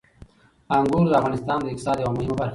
انګور د افغانستان د اقتصاد یوه مهمه برخه ده.